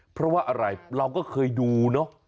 เพราะว่าอะไรเราก็เคยดูเนอะ